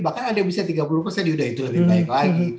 bahkan ada yang bisa tiga puluh yaudah itu lebih baik lagi